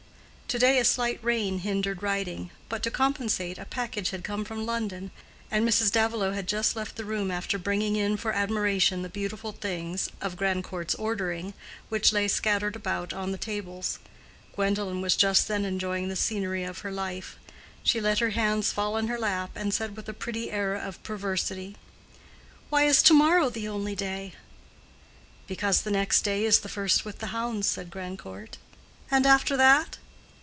To day a slight rain hindered riding; but to compensate, a package had come from London, and Mrs. Davilow had just left the room after bringing in for admiration the beautiful things (of Grandcourt's ordering) which lay scattered about on the tables. Gwendolen was just then enjoying the scenery of her life. She let her hands fall on her lap, and said with a pretty air of perversity, "Why is to morrow the only day?" "Because the next day is the first with the hounds," said Grandcourt. "And after that?"